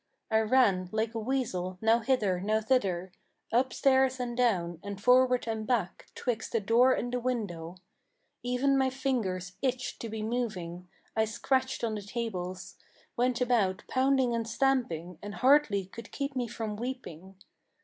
I ran, like a weasel, now hither, now thither, Up stairs and down, and forward and back, 'twixt the door and the window; Even my fingers itched to be moving; I scratched on the tables, Went about pounding and stamping, and hardly could keep me from weeping.